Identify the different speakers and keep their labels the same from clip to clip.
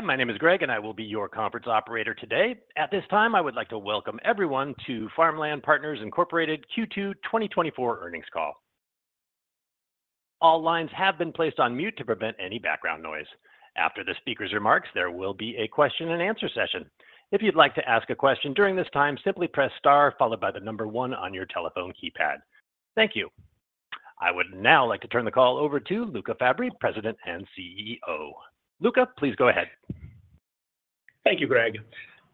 Speaker 1: Hi, my name is Greg, and I will be your conference operator today. At this time, I would like to welcome everyone to Farmland Partners Incorporated Q2 2024 earnings call. All lines have been placed on mute to prevent any background noise. After the speaker's remarks, there will be a question-and-answer session. If you'd like to ask a question during this time, simply press star followed by the number one on your telephone keypad. Thank you. I would now like to turn the call over to Luca Fabbri, President and CEO. Luca, please go ahead.
Speaker 2: Thank you, Greg.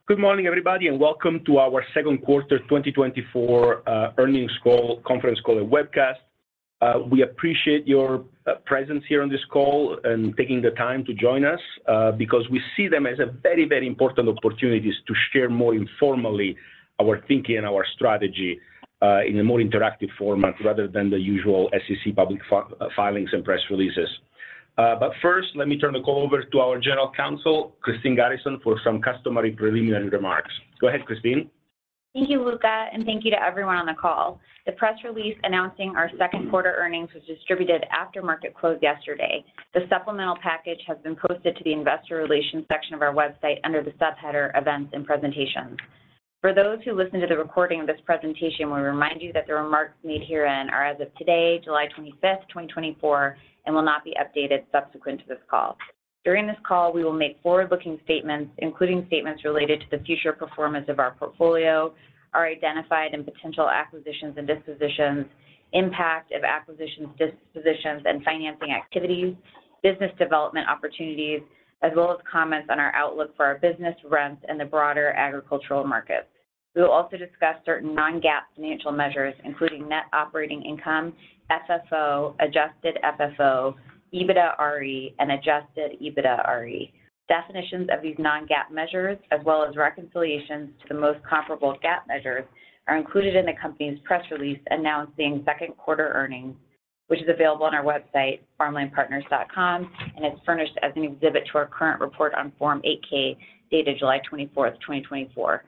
Speaker 2: Good morning, everybody, and welcome to our second quarter 2024 earnings call conference call and webcast. We appreciate your presence here on this call and taking the time to join us because we see them as a very, very important opportunity to share more informally our thinking and our strategy in a more interactive format rather than the usual SEC public filings and press releases. But first, let me turn the call over to our general counsel, Christine Garrison, for some customary preliminary remarks. Go ahead, Christine.
Speaker 3: Thank you, Luca, and thank you to everyone on the call. The press release announcing our second quarter earnings was distributed after market close yesterday. The supplemental package has been posted to the investor relations section of our website under the subheader Events and Presentations. For those who listen to the recording of this presentation, we remind you that the remarks made herein are as of today, July 25, 2024, and will not be updated subsequent to this call. During this call, we will make forward-looking statements, including statements related to the future performance of our portfolio, our identified and potential acquisitions and dispositions, impact of acquisitions, dispositions, and financing activities, business development opportunities, as well as comments on our outlook for our business, rents, and the broader agricultural markets. We will also discuss certain non-GAAP financial measures, including net operating income, FFO, adjusted FFO, EBITDAre, and adjusted EBITDAre. Definitions of these non-GAAP measures, as well as reconciliations to the most comparable GAAP measures, are included in the company's press release announcing second quarter earnings, which is available on our website, farmlandpartners.com, and it's furnished as an exhibit to our current report on Form 8-K dated July 24, 2024.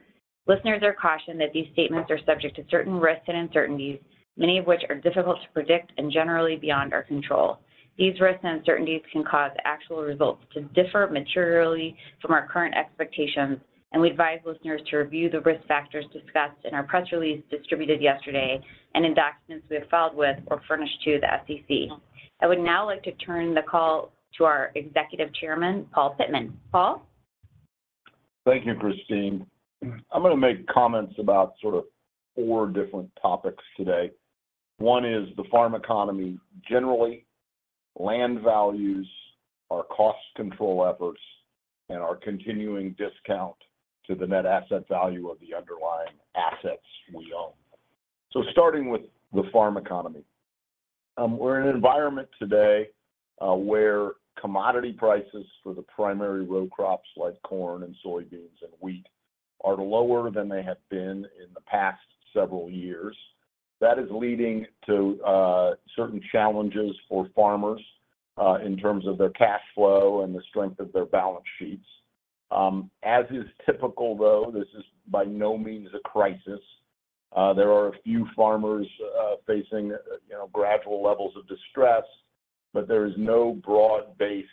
Speaker 3: Listeners are cautioned that these statements are subject to certain risks and uncertainties, many of which are difficult to predict and generally beyond our control. These risks and uncertainties can cause actual results to differ materially from our current expectations, and we advise listeners to review the risk factors discussed in our press release distributed yesterday and in documents we have filed with or furnished to the SEC. I would now like to turn the call to our Executive Chairman, Paul Pittman. Paul?
Speaker 4: Thank you, Christine. I'm going to make comments about sort of four different topics today. One is the farm economy generally, land values, our cost control efforts, and our continuing discount to the net asset value of the underlying assets we own. So starting with the farm economy, we're in an environment today where commodity prices for the primary row crops like corn and soybeans and wheat are lower than they have been in the past several years. That is leading to certain challenges for farmers in terms of their cash flow and the strength of their balance sheets. As is typical, though, this is by no means a crisis. There are a few farmers facing gradual levels of distress, but there is no broad-based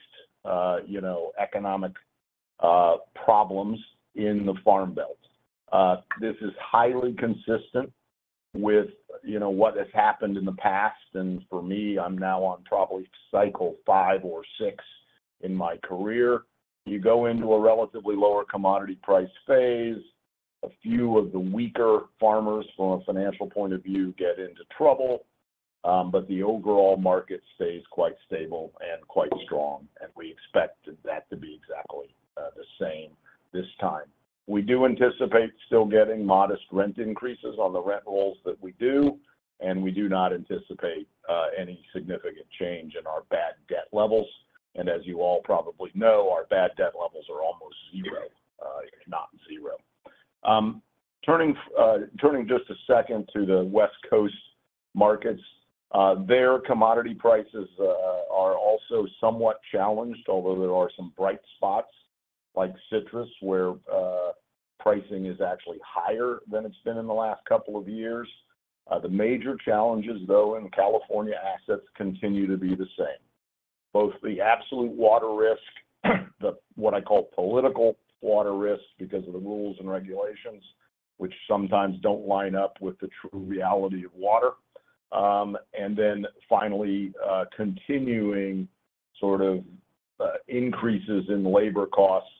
Speaker 4: economic problems in the farm belt. This is highly consistent with what has happened in the past. For me, I'm now on probably cycle 5 or 6 in my career. You go into a relatively lower commodity price phase, a few of the weaker farmers from a financial point of view get into trouble, but the overall market stays quite stable and quite strong. We expect that to be exactly the same this time. We do anticipate still getting modest rent increases on the rent rolls that we do, and we do not anticipate any significant change in our bad debt levels. As you all probably know, our bad debt levels are almost zero, if not zero. Turning just a second to the West Coast markets, their commodity prices are also somewhat challenged, although there are some bright spots like citrus where pricing is actually higher than it's been in the last couple of years. The major challenges, though, in California assets continue to be the same. Both the absolute water risk, the what I call political water risk because of the rules and regulations, which sometimes don't line up with the true reality of water. And then finally, continuing sort of increases in labor costs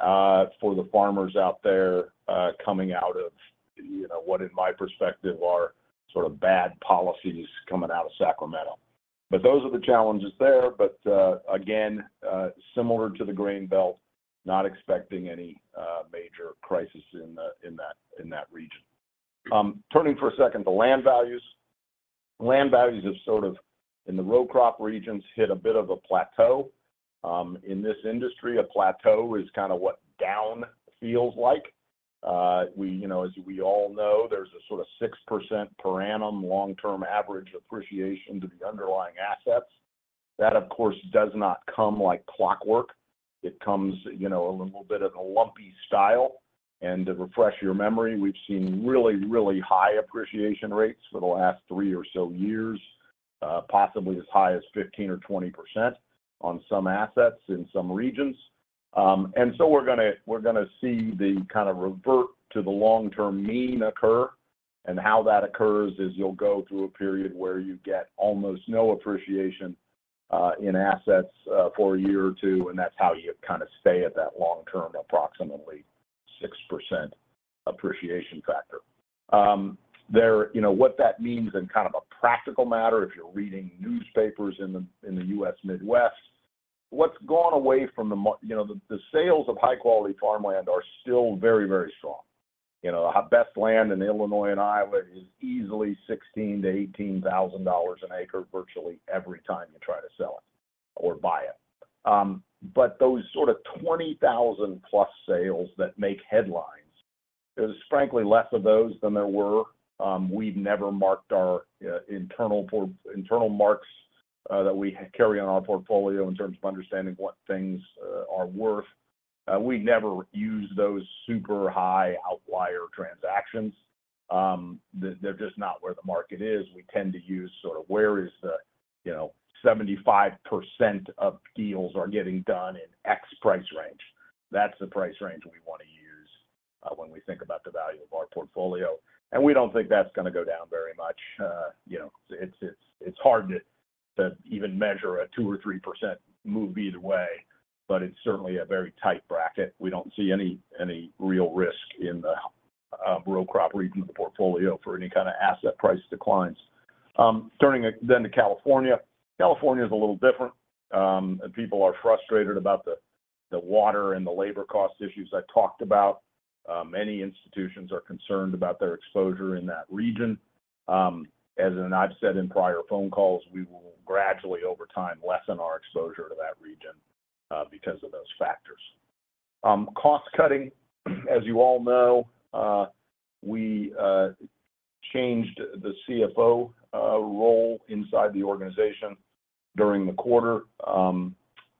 Speaker 4: for the farmers out there coming out of what, in my perspective, are sort of bad policies coming out of Sacramento. But those are the challenges there. But again, similar to the grain belt, not expecting any major crisis in that region. Turning for a second to land values. Land values have sort of in the row crop regions hit a bit of a plateau. In this industry, a plateau is kind of what down feels like. As we all know, there's a sort of 6% per annum long-term average appreciation to the underlying assets. That, of course, does not come like clockwork. It comes a little bit of a lumpy style. And to refresh your memory, we've seen really, really high appreciation rates for the last three or so years, possibly as high as 15% or 20% on some assets in some regions. And so we're going to see the kind of revert to the long-term mean occur. And how that occurs is you'll go through a period where you get almost no appreciation in assets for a year or two, and that's how you kind of stay at that long-term approximately 6% appreciation factor. What that means in kind of a practical matter, if you're reading newspapers in the U.S. Midwest, what's gone away from the sales of high-quality farmland are still very, very strong. The best land in Illinois and Iowa is easily $16,000-$18,000 an acre virtually every time you try to sell it or buy it. But those sort of 20,000+ sales that make headlines, there's frankly less of those than there were. We've never marked our internal marks that we carry on our portfolio in terms of understanding what things are worth. We never use those super high outlier transactions. They're just not where the market is. We tend to use sort of where is the 75% of deals are getting done in X price range. That's the price range we want to use when we think about the value of our portfolio. And we don't think that's going to go down very much. It's hard to even measure a 2% or 3% move either way, but it's certainly a very tight bracket. We don't see any real risk in the row crop region of the portfolio for any kind of asset price declines. Turning then to California, California is a little different. People are frustrated about the water and the labor cost issues I talked about. Many institutions are concerned about their exposure in that region. As I've said in prior phone calls, we will gradually over time lessen our exposure to that region because of those factors. Cost cutting, as you all know. We changed the CFO role inside the organization during the quarter.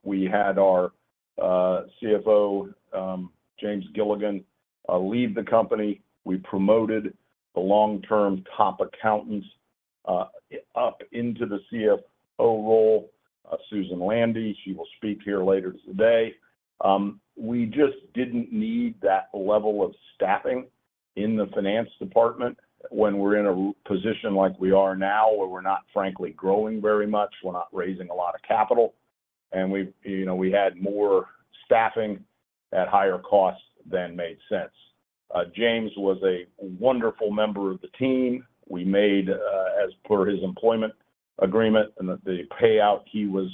Speaker 4: We had our CFO, James Gilligan, leave the company. We promoted the long-term top accountants up into the CFO role, Susan Landi. She will speak here later today. We just didn't need that level of staffing in the finance department when we're in a position like we are now where we're not frankly growing very much. We're not raising a lot of capital. We had more staffing at higher costs than made sense. James was a wonderful member of the team. We made, as per his employment agreement, the payout he was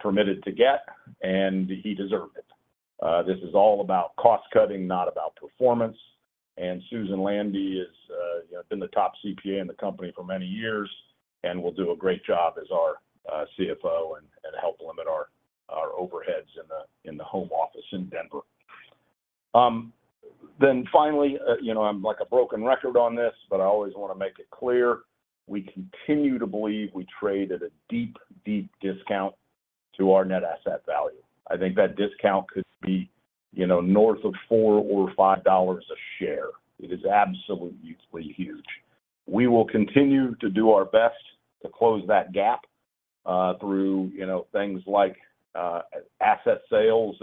Speaker 4: permitted to get, and he deserved it. This is all about cost cutting, not about performance. Susan Landi has been the top CPA in the company for many years and will do a great job as our CFO and help limit our overheads in the home office in Denver. Finally, I'm like a broken record on this, but I always want to make it clear. We continue to believe we trade at a deep, deep discount to our net asset value. I think that discount could be north of $4 or $5 a share. It is absolutely huge. We will continue to do our best to close that gap through things like asset sales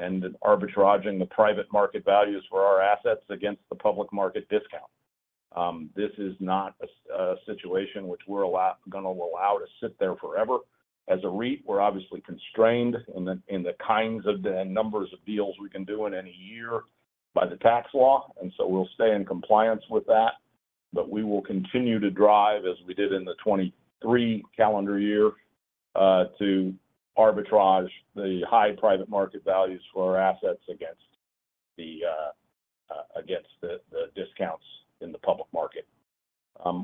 Speaker 4: and arbitraging the private market values for our assets against the public market discount. This is not a situation which we're going to allow to sit there forever. As a REIT, we're obviously constrained in the kinds of numbers of deals we can do in any year by the tax law. And so we'll stay in compliance with that. But we will continue to drive, as we did in the 2023 calendar year, to arbitrage the high private market values for our assets against the discounts in the public market.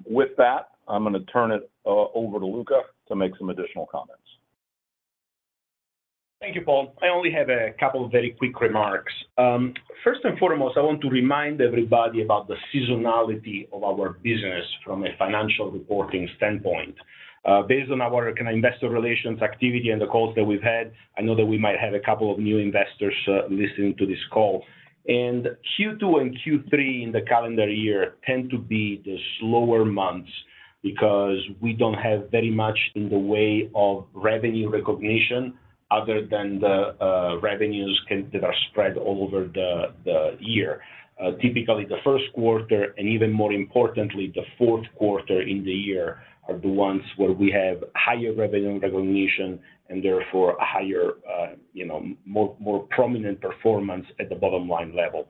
Speaker 4: With that, I'm going to turn it over to Luca to make some additional comments.
Speaker 2: Thank you, Paul. I only have a couple of very quick remarks. First and foremost, I want to remind everybody about the seasonality of our business from a financial reporting standpoint. Based on our kind of investor relations activity and the calls that we've had, I know that we might have a couple of new investors listening to this call. Q2 and Q3 in the calendar year tend to be the slower months because we don't have very much in the way of revenue recognition other than the revenues that are spread all over the year. Typically, the first quarter and even more importantly, the fourth quarter in the year are the ones where we have higher revenue recognition and therefore a higher, more prominent performance at the bottom line level.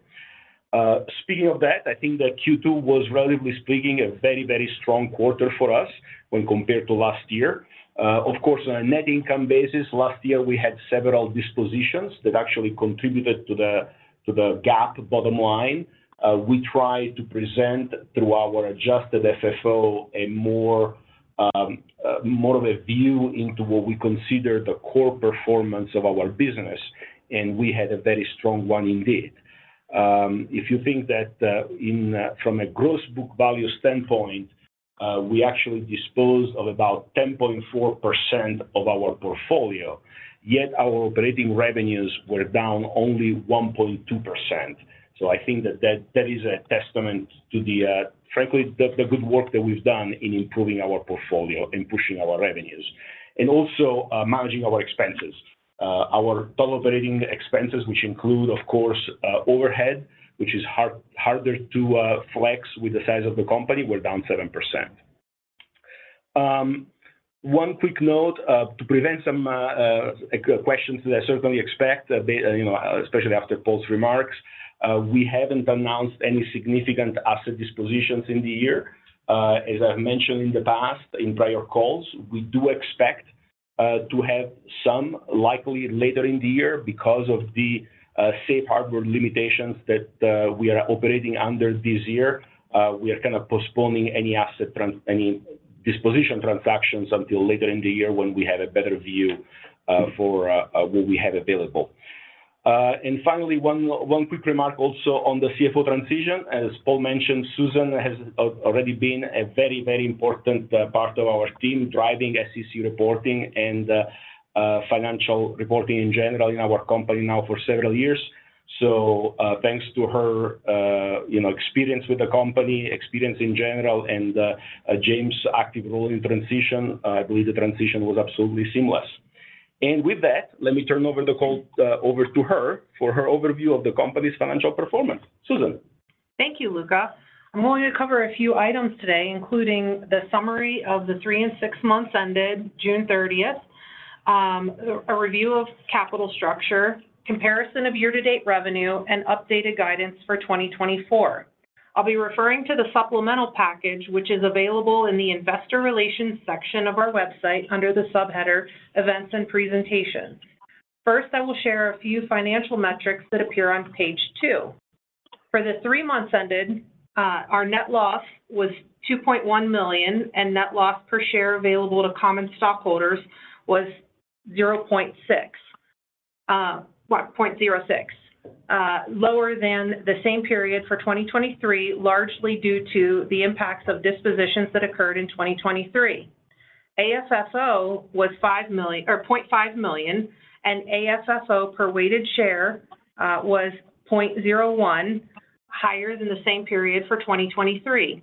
Speaker 2: Speaking of that, I think that Q2 was, relatively speaking, a very, very strong quarter for us when compared to last year. Of course, on a net income basis, last year we had several dispositions that actually contributed to the GAAP bottom line. We tried to present through our adjusted FFO a more of a view into what we consider the core performance of our business. We had a very strong one indeed. If you think that from a gross book value standpoint, we actually disposed of about 10.4% of our portfolio, yet our operating revenues were down only 1.2%. So I think that that is a testament to the, frankly, the good work that we've done in improving our portfolio and pushing our revenues and also managing our expenses. Our total operating expenses, which include, of course, overhead, which is harder to flex with the size of the company, were down 7%. One quick note to prevent some questions that I certainly expect, especially after Paul's remarks. We haven't announced any significant asset dispositions in the year. As I've mentioned in the past, in prior calls, we do expect to have some likely later in the year because of the safe harbor limitations that we are operating under this year. We are kind of postponing any asset, any disposition transactions until later in the year when we have a better view for what we have available. And finally, one quick remark also on the CFO transition. As Paul mentioned, Susan has already been a very, very important part of our team driving SEC reporting and financial reporting in general in our company now for several years. So thanks to her experience with the company, experience in general, and James' active role in transition, I believe the transition was absolutely seamless. With that, let me turn the call over to her for her overview of the company's financial performance. Susan.
Speaker 5: Thank you, Luca. I'm going to cover a few items today, including the summary of the three and six months ended June 30th, a review of capital structure, comparison of year-to-date revenue, and updated guidance for 2024. I'll be referring to the supplemental package, which is available in the investor relations section of our website under the subheader events and presentation. First, I will share a few financial metrics that appear on page two. For the three months ended, our net loss was $2,100,000, and net loss per share available to common stockholders was $0.06, lower than the same period for 2023, largely due to the impacts of dispositions that occurred in 2023. AFFO was $500,000, and AFFO per weighted share was $0.01, higher than the same period for 2023.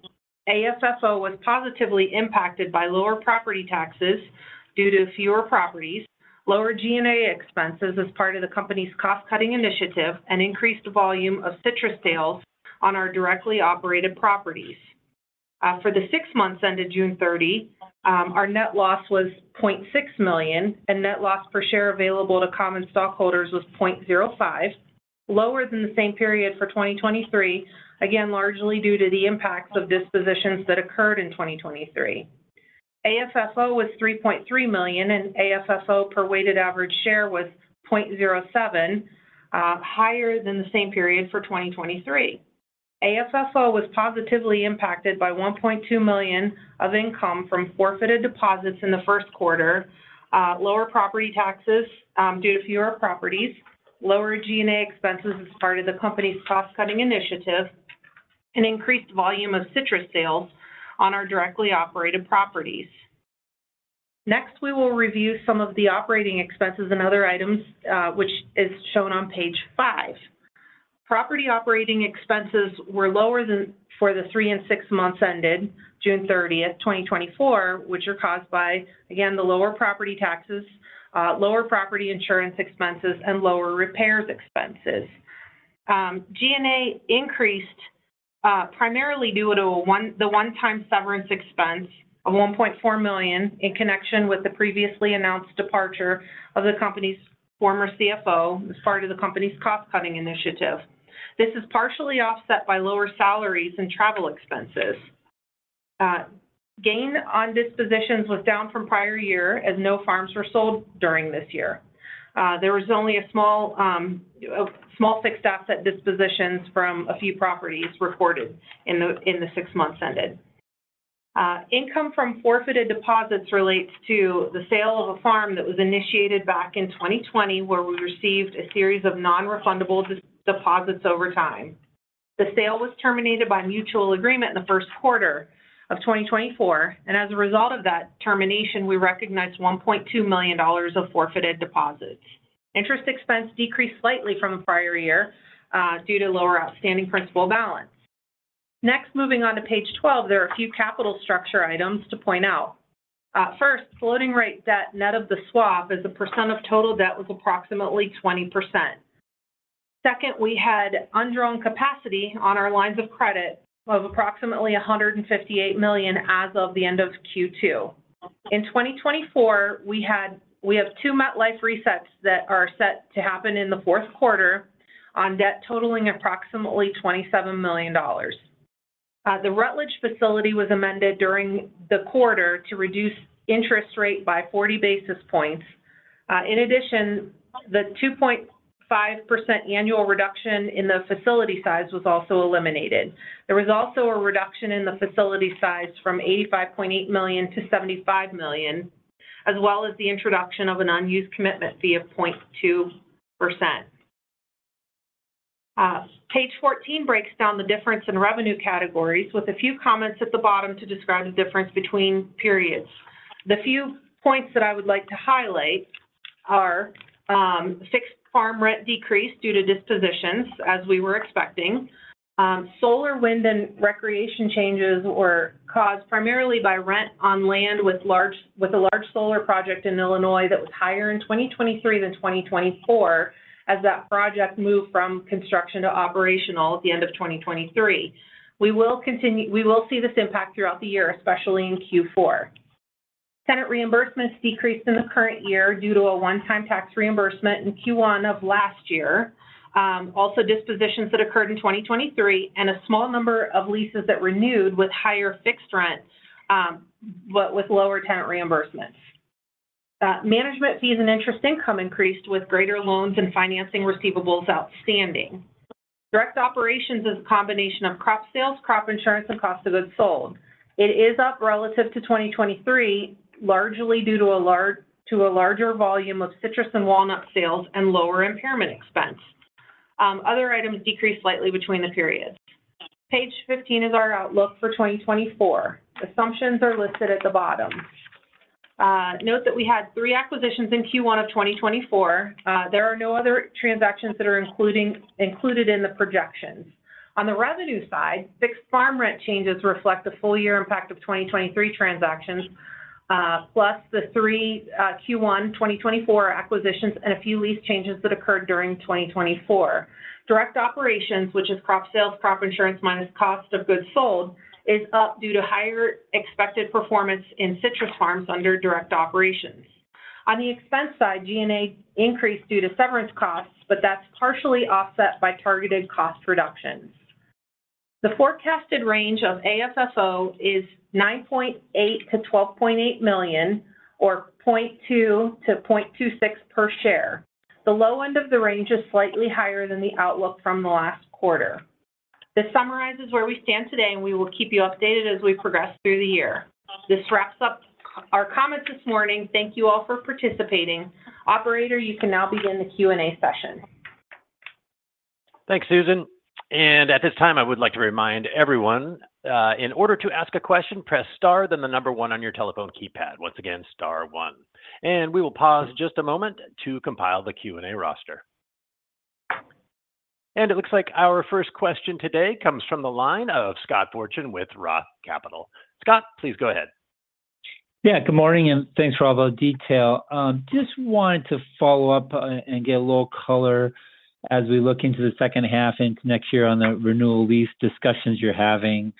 Speaker 5: AFFO was positively impacted by lower property taxes due to fewer properties, lower G&A expenses as part of the company's cost-cutting initiative, and increased volume of citrus sales on our directly operated properties. For the six months ended June 30, our net loss was $600,000, and net loss per share available to common stockholders was $0.05, lower than the same period for 2023, again, largely due to the impacts of dispositions that occurred in 2023. AFFO was $3,300,000, and AFFO per weighted average share was $0.07, higher than the same period for 2023. AFFO was positively impacted by $1,200,000 of income from forfeited deposits in the first quarter, lower property taxes due to fewer properties, lower G&A expenses as part of the company's cost-cutting initiative, and increased volume of citrus sales on our directly operated properties. Next, we will review some of the operating expenses and other items, which is shown on page 5. Property operating expenses were lower than for the three and six months ended June 30, 2024, which are caused by, again, the lower property taxes, lower property insurance expenses, and lower repairs expenses. G&A increased primarily due to the one-time severance expense of $1,400,000 in connection with the previously announced departure of the company's former CFO as part of the company's cost-cutting initiative. This is partially offset by lower salaries and travel expenses. Gain on dispositions was down from prior year as no farms were sold during this year. There was only a small fixed asset dispositions from a few properties reported in the six months ended. Income from forfeited deposits relates to the sale of a farm that was initiated back in 2020, where we received a series of non-refundable deposits over time. The sale was terminated by mutual agreement in the first quarter of 2024. As a result of that termination, we recognized $1,200,000 of forfeited deposits. Interest expense decreased slightly from the prior year due to lower outstanding principal balance. Next, moving on to page 12, there are a few capital structure items to point out. First, floating rate debt net of the swap as a percent of total debt was approximately 20%. Second, we had undrawn capacity on our lines of credit of approximately $158,000,000 as of the end of Q2. In 2024, we have two MetLife resets that are set to happen in the fourth quarter on debt totaling approximately $27,000,000. The Rutledge facility was amended during the quarter to reduce interest rate by 40 basis points. In addition, the 2.5% annual reduction in the facility size was also eliminated. There was also a reduction in the facility size from $85,800,000-$75,000,000, as well as the introduction of an unused commitment fee of 0.2%. Page 14 breaks down the difference in revenue categories with a few comments at the bottom to describe the difference between periods. The few points that I would like to highlight are fixed farm rent decrease due to dispositions, as we were expecting. Solar, wind, and recreation changes were caused primarily by rent on land with a large solar project in Illinois that was higher in 2023 than 2024 as that project moved from construction to operational at the end of 2023. We will see this impact throughout the year, especially in Q4. Tenant reimbursements decreased in the current year due to a one-time tax reimbursement in Q1 of last year. Also, dispositions that occurred in 2023 and a small number of leases that renewed with higher fixed rent but with lower tenant reimbursements. Management fees and interest income increased with greater loans and financing receivables outstanding. Direct operations is a combination of crop sales, crop insurance, and cost of goods sold. It is up relative to 2023, largely due to a larger volume of citrus and walnut sales and lower impairment expense. Other items decreased slightly between the periods. Page 15 is our outlook for 2024. Assumptions are listed at the bottom. Note that we had 3 acquisitions in Q1 of 2024. There are no other transactions that are included in the projections. On the revenue side, fixed farm rent changes reflect the full year impact of 2023 transactions, plus the three Q1 2024 acquisitions and a few lease changes that occurred during 2024. Direct operations, which is crop sales, crop insurance minus cost of goods sold, is up due to higher expected performance in citrus farms under direct operations. On the expense side, G&A increased due to severance costs, but that's partially offset by targeted cost reductions. The forecasted range of AFFO is $9,800,000-$12,800,000 or $0.2-$0.26 per share. The low end of the range is slightly higher than the outlook from the last quarter. This summarizes where we stand today, and we will keep you updated as we progress through the year. This wraps up our comments this morning. Thank you all for participating. Operator, you can now begin the Q&A session.
Speaker 1: Thanks, Susan. And at this time, I would like to remind everyone, in order to ask a question, press Star, then the number one on your telephone keypad. Once again, Star one. And we will pause just a moment to compile the Q&A roster. And it looks like our first question today comes from the line of Scott Fortune with Roth MKM. Scott, please go ahead.
Speaker 6: Yeah, good morning, and thanks for all the detail. Just wanted to follow up and get a little color as we look into the second half into next year on the renewal lease discussions you're having.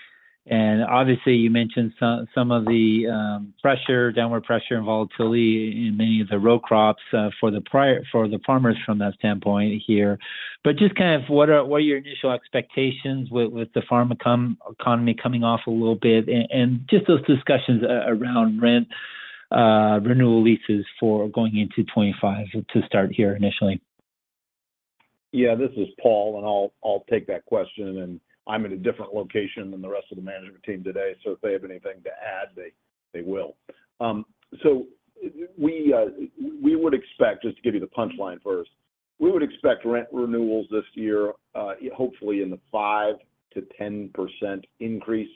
Speaker 6: And obviously, you mentioned some of the pressure, downward pressure and volatility in many of the row crops for the farmers from that standpoint here. But just kind of what are your initial expectations with the farm economy coming off a little bit and just those discussions around rent, renewal leases for going into 2025 to start here initially?
Speaker 4: Yeah, this is Paul, and I'll take that question. And I'm in a different location than the rest of the management team today, so if they have anything to add, they will. So we would expect, just to give you the punchline first, we would expect rent renewals this year, hopefully in the 5%-10% increase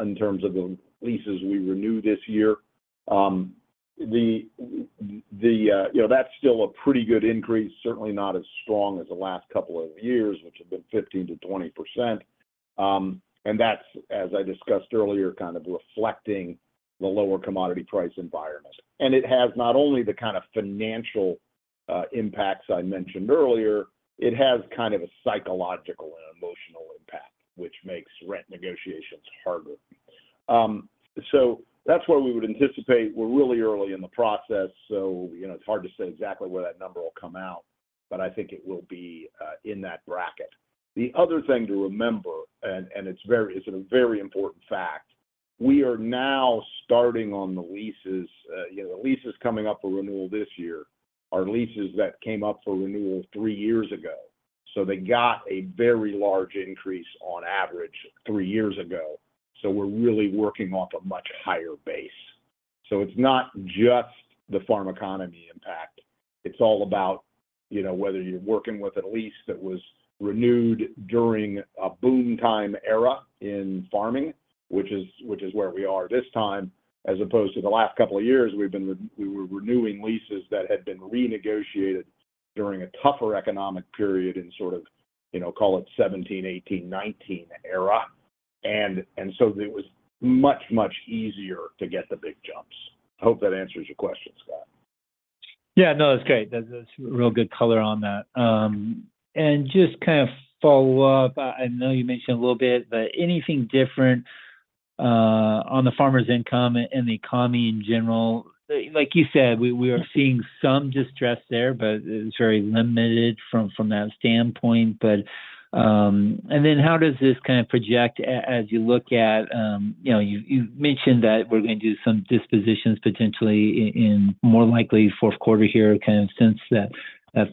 Speaker 4: in terms of the leases we renew this year. That's still a pretty good increase, certainly not as strong as the last couple of years, which have been 15%-20%. And that's, as I discussed earlier, kind of reflecting the lower commodity price environment. And it has not only the kind of financial impacts I mentioned earlier, it has kind of a psychological and emotional impact, which makes rent negotiations harder. So that's where we would anticipate. We're really early in the process, so it's hard to say exactly where that number will come out, but I think it will be in that bracket. The other thing to remember, and it's a very important fact, we are now starting on the leases. The leases coming up for renewal this year are leases that came up for renewal three years ago. So they got a very large increase on average three years ago. So we're really working off a much higher base. So it's not just the farm economy impact. It's all about whether you're working with a lease that was renewed during a boom time era in farming, which is where we are this time, as opposed to the last couple of years, we were renewing leases that had been renegotiated during a tougher economic period in sort of, call it '17, '18, '19 era. And so it was much, much easier to get the big jumps. I hope that answers your question, Scott.
Speaker 6: Yeah, no, that's great. That's real good color on that. And just kind of follow up. I know you mentioned a little bit, but anything different on the farmers' income and the economy in general? Like you said, we are seeing some distress there, but it's very limited from that standpoint. And then how does this kind of project as you look at you mentioned that we're going to do some dispositions potentially in more likely fourth quarter here, kind of since that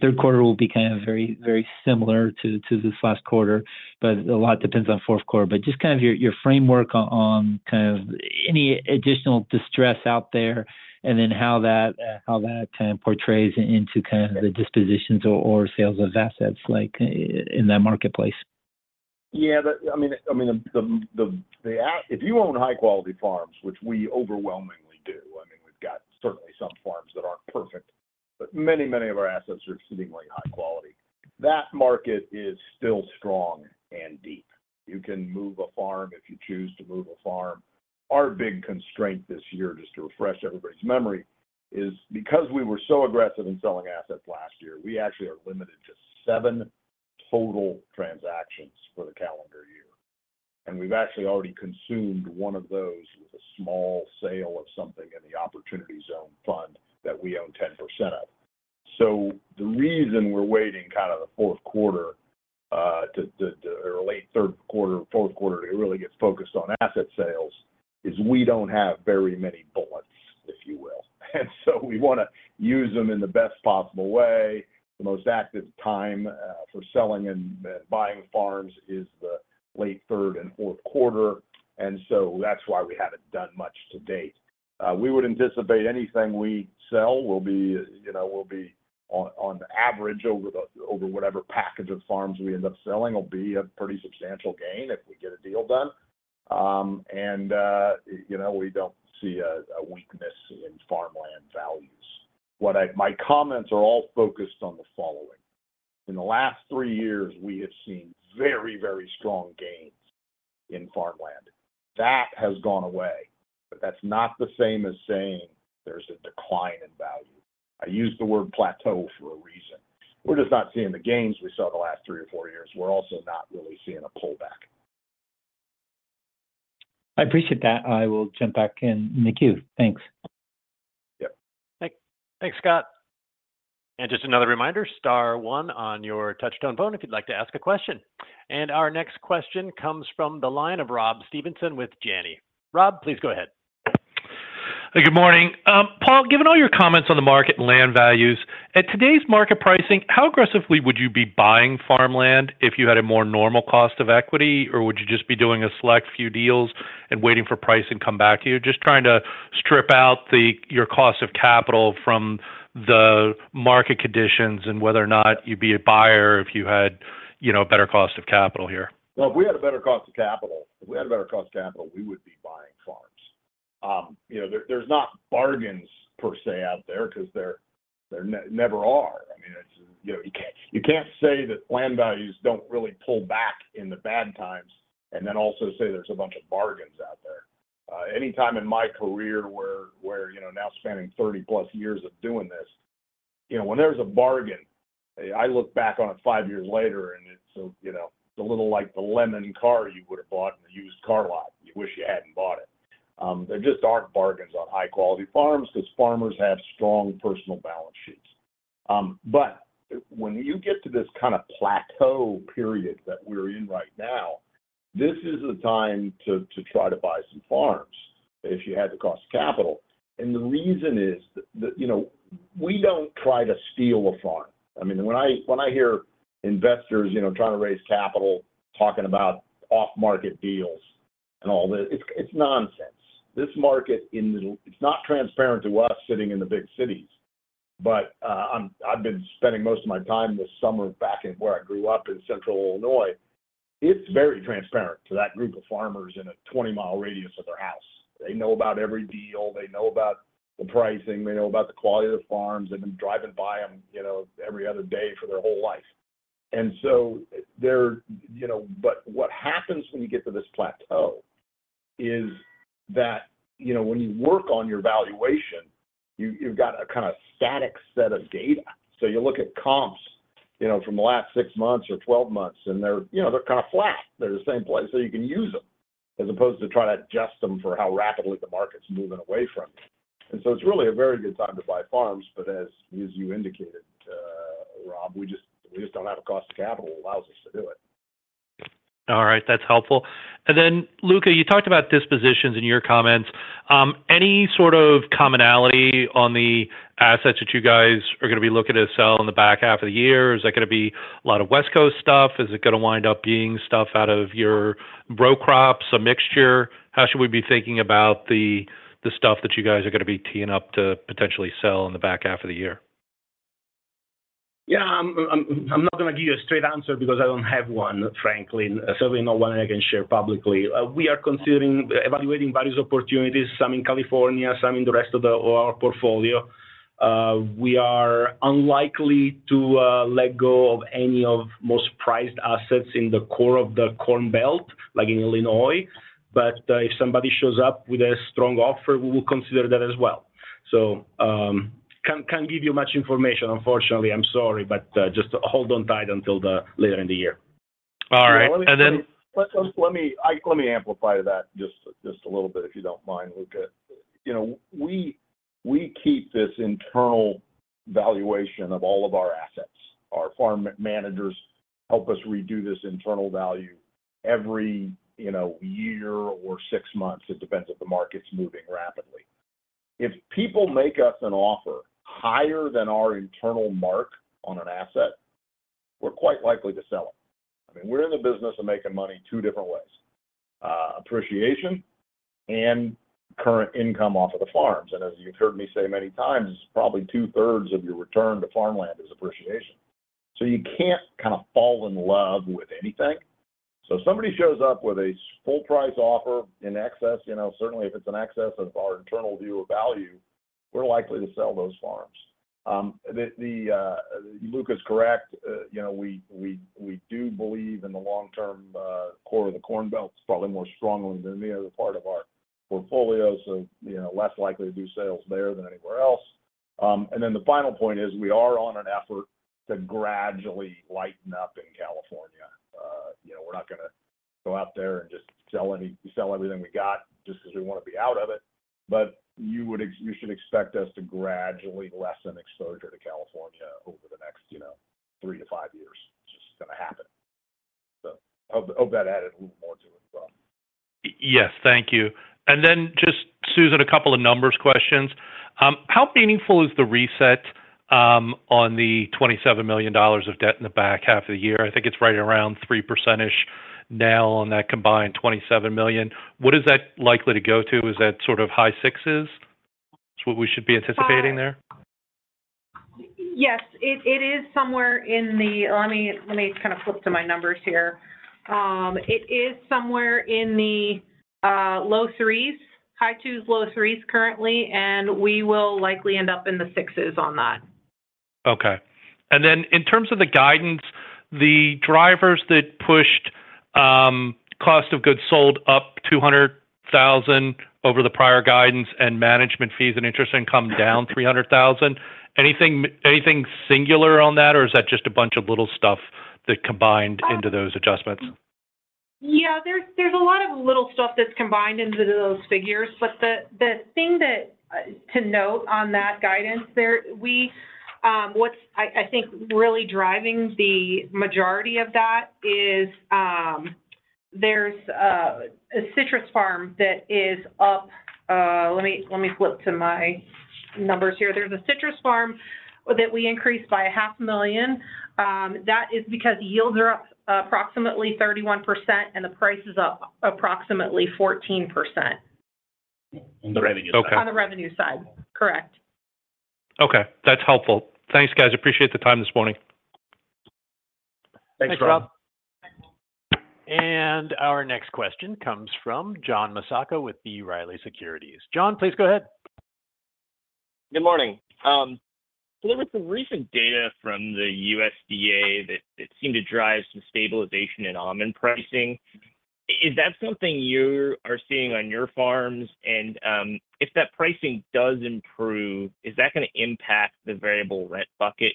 Speaker 6: third quarter will be kind of very similar to this last quarter, but a lot depends on fourth quarter. But just kind of your framework on kind of any additional distress out there and then how that kind of portrays into kind of the dispositions or sales of assets in that marketplace.
Speaker 4: Yeah, I mean, if you own high-quality farms, which we overwhelmingly do, I mean, we've got certainly some farms that aren't perfect, but many, many of our assets are exceedingly high quality. That market is still strong and deep. You can move a farm if you choose to move a farm. Our big constraint this year, just to refresh everybody's memory, is because we were so aggressive in selling assets last year, we actually are limited to seven total transactions for the calendar year. And we've actually already consumed one of those with a small sale of something in the Opportunity Zone fund that we own 10% of. So the reason we're waiting kind of the fourth quarter or late third quarter, fourth quarter to really get focused on asset sales is we don't have very many bullets, if you will. We want to use them in the best possible way. The most active time for selling and buying farms is the late third and fourth quarter. That's why we haven't done much to date. We would anticipate anything we sell will be on average over whatever package of farms we end up selling will be a pretty substantial gain if we get a deal done. We don't see a weakness in farmland values. My comments are all focused on the following. In the last three years, we have seen very, very strong gains in farmland. That has gone away, but that's not the same as saying there's a decline in value. I use the word plateau for a reason. We're just not seeing the gains we saw the last three or four years. We're also not really seeing a pullback.
Speaker 6: I appreciate that. I will jump back in the queue. Thanks.
Speaker 4: Yep.
Speaker 1: Thanks, Scott. And just another reminder, star one on your touch-tone phone if you'd like to ask a question. And our next question comes from the line of Rob Stevenson with Janney. Rob, please go ahead.
Speaker 7: Hey, good morning. Paul, given all your comments on the market and land values, at today's market pricing, how aggressively would you be buying farmland if you had a more normal cost of equity, or would you just be doing a select few deals and waiting for price to come back to you, just trying to strip out your cost of capital from the market conditions and whether or not you'd be a buyer if you had a better cost of capital here?
Speaker 4: Well, if we had a better cost of capital, if we had a better cost of capital, we would be buying farms. There's not bargains per se out there because there never are. I mean, you can't say that land values don't really pull back in the bad times and then also say there's a bunch of bargains out there. Anytime in my career where now spanning 30+ years of doing this, when there's a bargain, I look back on it five years later and it's a little like the lemon car you would have bought in the used car lot. You wish you hadn't bought it. There just aren't bargains on high-quality farms because farmers have strong personal balance sheets. But when you get to this kind of plateau period that we're in right now, this is the time to try to buy some farms if you had the cost of capital. And the reason is that we don't try to steal a farm. I mean, when I hear investors trying to raise capital talking about off-market deals and all this, it's nonsense. This market, it's not transparent to us sitting in the big cities. But I've been spending most of my time this summer back where I grew up in Central Illinois. It's very transparent to that group of farmers in a 20-mile radius of their house. They know about every deal. They know about the pricing. They know about the quality of the farms. They've been driving by them every other day for their whole life. There, but what happens when you get to this plateau is that when you work on your valuation, you've got a kind of static set of data. You look at comps from the last six months or 12 months, and they're kind of flat. They're the same place. You can use them as opposed to try to adjust them for how rapidly the market's moving away from you. It's really a very good time to buy farms, but as you indicated, Rob, we just don't have a cost of capital that allows us to do it.
Speaker 7: All right. That's helpful. And then, Luca, you talked about dispositions in your comments. Any sort of commonality on the assets that you guys are going to be looking to sell in the back half of the year? Is that going to be a lot of West Coast stuff? Is it going to wind up being stuff out of your row crops, a mixture? How should we be thinking about the stuff that you guys are going to be teeing up to potentially sell in the back half of the year?
Speaker 2: Yeah, I'm not going to give you a straight answer because I don't have one, frankly. Certainly not one I can share publicly. We are evaluating various opportunities, some in California, some in the rest of our portfolio. We are unlikely to let go of any of the most prized assets in the core of the Corn Belt, like in Illinois. But if somebody shows up with a strong offer, we will consider that as well. So, can't give you much information, unfortunately. I'm sorry, but just hold on tight until later in the year.
Speaker 7: All right. And then.
Speaker 4: Let me amplify that just a little bit, if you don't mind, Luca. We keep this internal valuation of all of our assets. Our farm managers help us redo this internal value every year or six months. It depends if the market's moving rapidly. If people make us an offer higher than our internal mark on an asset, we're quite likely to sell it. I mean, we're in the business of making money two different ways: appreciation and current income off of the farms. And as you've heard me say many times, probably two-thirds of your return to farmland is appreciation. So you can't kind of fall in love with anything. So if somebody shows up with a full-price offer in excess, certainly if it's an excess of our internal view of value, we're likely to sell those farms. Luca's correct. We do believe in the long-term core of the Corn Belt, probably more strongly than any other part of our portfolio, so less likely to do sales there than anywhere else. Then the final point is we are on an effort to gradually lighten up in California. We're not going to go out there and just sell everything we got just because we want to be out of it. You should expect us to gradually lessen exposure to California over the next 3-5 years. It's just going to happen. I hope that added a little more to it, Bob.
Speaker 7: Yes, thank you. And then just, Susan, a couple of numbers questions. How meaningful is the reset on the $27,000,000 of debt in the back half of the year? I think it's right around 3%-ish now on that combined $27,000,000. What is that likely to go to? Is that sort of high sixes? Is what we should be anticipating there?
Speaker 5: Yes, it is somewhere in the. Let me kind of flip to my numbers here. It is somewhere in the low threes, high twos, low threes currently, and we will likely end up in the sixes on that.
Speaker 7: Okay. And then in terms of the guidance, the drivers that pushed cost of goods sold up $200,000 over the prior guidance and management fees and interest income down $300,000, anything singular on that, or is that just a bunch of little stuff that combined into those adjustments?
Speaker 5: Yeah, there's a lot of little stuff that's combined into those figures. But the thing to note on that guidance there, I think really driving the majority of that is there's a citrus farm that is up. Let me flip to my numbers here. There's a citrus farm that we increased by $500,000. That is because yields are up approximately 31% and the price is up approximately 14%.
Speaker 2: On the revenue side.
Speaker 5: On the revenue side, correct.
Speaker 7: Okay. That's helpful. Thanks, guys. Appreciate the time this morning.
Speaker 2: Thanks, Rob.
Speaker 1: Our next question comes from John Massocca with B Riley Securities. John, please go ahead.
Speaker 8: Good morning. So there was some recent data from the USDA that seemed to drive some stabilization in almond pricing. Is that something you are seeing on your farms? And if that pricing does improve, is that going to impact the variable rent bucket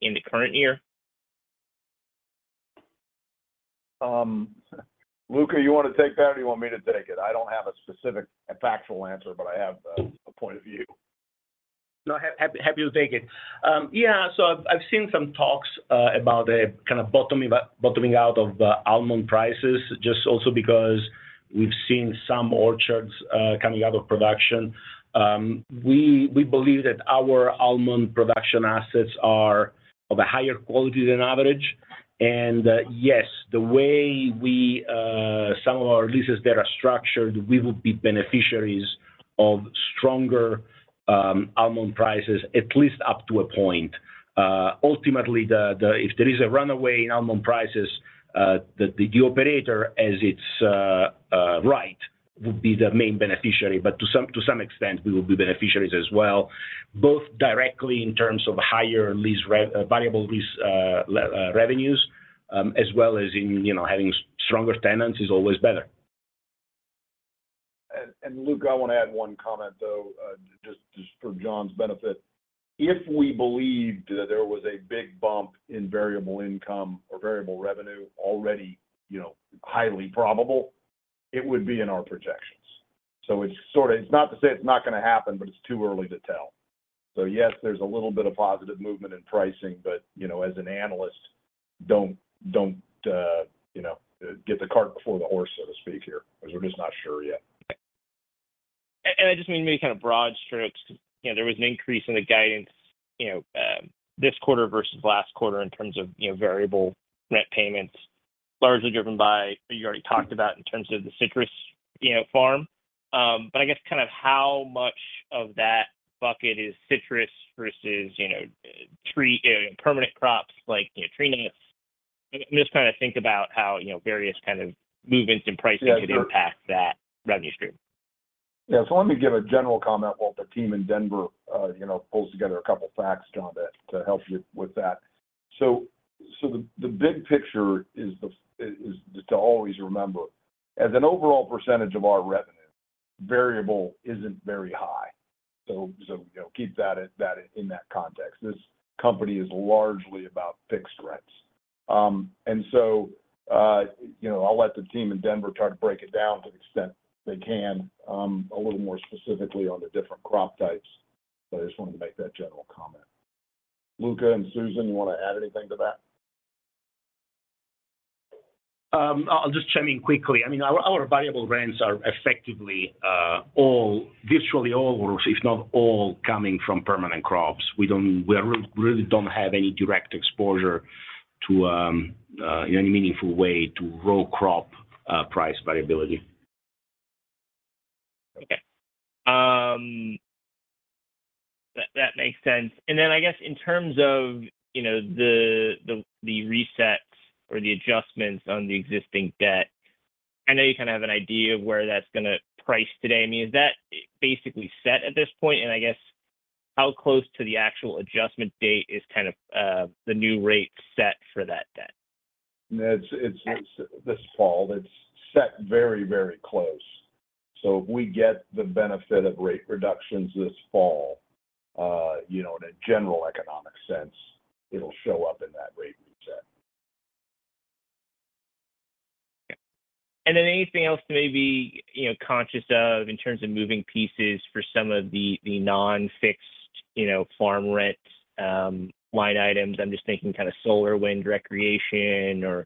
Speaker 8: in the current year?
Speaker 4: Luca, you want to take that or do you want me to take it? I don't have a specific factual answer, but I have a point of view.
Speaker 2: No, happy to take it. Yeah, so I've seen some talks about the kind of bottoming out of almond prices, just also because we've seen some orchards coming out of production. We believe that our almond production assets are of a higher quality than average. And yes, the way some of our leases that are structured, we would be beneficiaries of stronger almond prices, at least up to a point. Ultimately, if there is a runaway in almond prices, the operator, as it's right, would be the main beneficiary. But to some extent, we will be beneficiaries as well, both directly in terms of higher variable revenues as well as in having stronger tenants is always better.
Speaker 4: And Luca, I want to add one comment, though, just for John's benefit. If we believed that there was a big bump in variable income or variable revenue already highly probable, it would be in our projections. So it's not to say it's not going to happen, but it's too early to tell. So yes, there's a little bit of positive movement in pricing, but as an analyst, don't get the cart before the horse, so to speak, here, because we're just not sure yet.
Speaker 8: And I just mean maybe kind of broad strokes. There was an increase in the guidance this quarter versus last quarter in terms of variable rent payments, largely driven by, you already talked about, in terms of the citrus farm. But I guess kind of how much of that bucket is citrus versus permanent crops like tree nuts? I'm just trying to think about how various kind of movements in pricing could impact that revenue stream.
Speaker 4: Yeah. So let me give a general comment while the team in Denver pulls together a couple of facts, John, to help you with that. So the big picture is to always remember, as an overall percentage of our revenue, variable isn't very high. So keep that in that context. This company is largely about fixed rents. And so I'll let the team in Denver try to break it down to the extent they can, a little more specifically on the different crop types. But I just wanted to make that general comment. Luca and Susan, you want to add anything to that?
Speaker 2: I'll just chime in quickly. I mean, our variable rents are effectively all, virtually all, or if not all, coming from permanent crops. We really don't have any direct exposure in any meaningful way to row crop price variability.
Speaker 8: Okay. That makes sense. And then I guess in terms of the reset or the adjustments on the existing debt, I know you kind of have an idea of where that's going to price today. I mean, is that basically set at this point? And I guess how close to the actual adjustment date is kind of the new rate set for that debt?
Speaker 4: It's this fall. It's set very, very close. So if we get the benefit of rate reductions this fall, in a general economic sense, it'll show up in that rate reset.
Speaker 8: Okay. And then anything else to maybe be conscious of in terms of moving pieces for some of the non-fixed farm rent line items? I'm just thinking kind of solar, wind, recreation,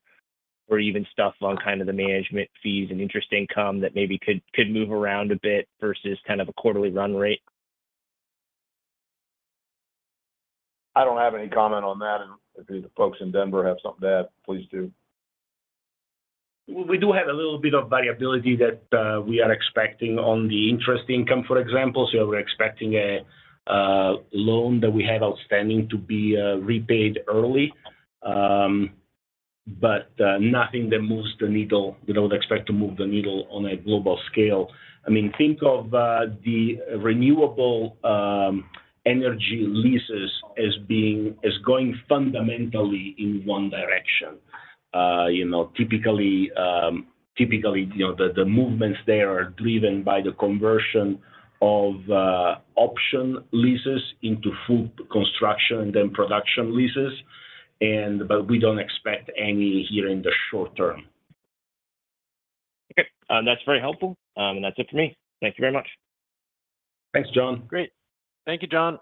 Speaker 8: or even stuff on kind of the management fees and interest income that maybe could move around a bit versus kind of a quarterly run rate?
Speaker 4: I don't have any comment on that. If the folks in Denver have something to add, please do.
Speaker 2: We do have a little bit of variability that we are expecting on the interest income, for example. So we're expecting a loan that we have outstanding to be repaid early, but nothing that moves the needle that I would expect to move the needle on a global scale. I mean, think of the renewable energy leases as going fundamentally in one direction. Typically, the movements there are driven by the conversion of option leases into full construction and then production leases. But we don't expect any here in the short term.
Speaker 8: Okay. That's very helpful. That's it for me. Thank you very much.
Speaker 2: Thanks, John.
Speaker 1: Great. Thank you, John.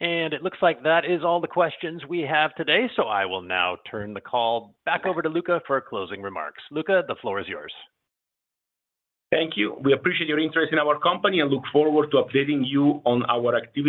Speaker 1: It looks like that is all the questions we have today. I will now turn the call back over to Luca for closing remarks. Luca, the floor is yours.
Speaker 2: Thank you. We appreciate your interest in our company and look forward to updating you on our